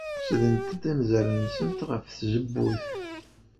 Sdent-d anzaren-nsent ɣef tzewwut.